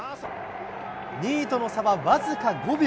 ２位との差は僅か５秒。